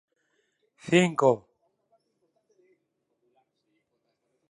Su Capital es La Unión.